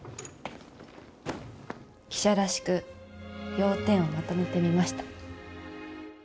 記者らしく要点をまとめてみました。